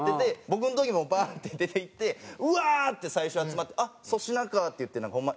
僕の時もバーッて出ていって「うわー！」って最初集まって「あっ粗品か」って言ってホンマ